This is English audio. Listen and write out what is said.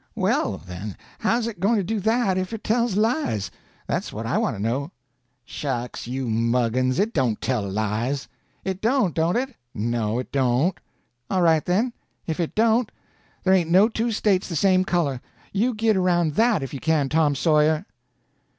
"Well, then, how's it going to do that if it tells lies? That's what I want to know." "Shucks, you muggins! It don't tell lies." "It don't, don't it?" "No, it don't." "All right, then; if it don't, there ain't no two States the same color. You git around that if you can, Tom Sawyer."